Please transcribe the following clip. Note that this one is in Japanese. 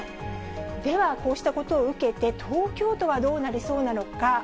では、こうしたことを受けて、東京都はどうなりそうなのか。